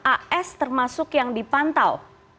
as termasuk yang dipantau